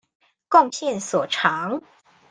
貢獻所長